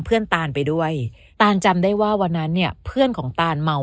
ตานไปด้วยตานจำได้ว่าวันนั้นเนี่ยเพื่อนของตานเมา